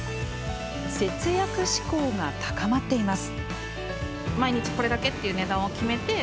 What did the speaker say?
節約志向が高まっています。